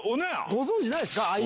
ご存じないですか？